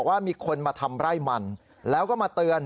ว่ามีคนมาทำไร่มันแล้วก็มาเตือน